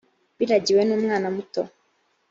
biragiwe n umwana muto